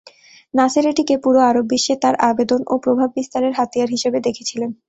নাসের এটিকে পুরো আরব বিশ্বে তার আবেদন ও প্রভাব বিস্তারের হাতিয়ার হিসেবে দেখেছিলেন।